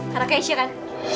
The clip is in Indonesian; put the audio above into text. karena keisian kan